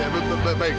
baik baik baik